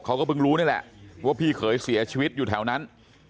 เขาก็เพิ่งรู้นี่แหละว่าพี่เขยเสียชีวิตอยู่แถวนั้น